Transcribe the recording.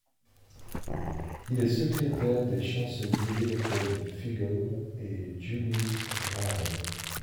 Il est secrétaire des chanceliers Leopold Figl et Julius Raab.